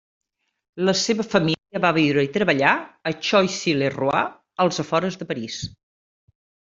La seva família va viure i treballar a Choisy-le-Roi, als afores de París.